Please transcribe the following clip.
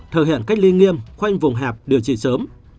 thờ hẹn cách ly nghiêm khoanh vùng hẹp điều trị sớm